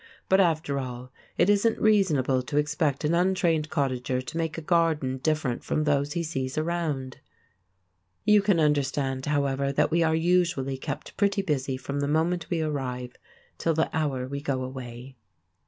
But after all, it isn't reasonable to expect an untrained cottager to make a garden different from those he sees around. You can understand, however, that we are usually kept pretty busy from the moment we arrive till the hour we go away.